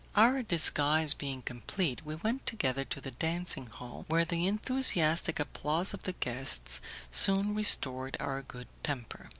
Our disguise being complete, we went together to the dancing hall, where the enthusiastic applause of the guests soon restored our good temper.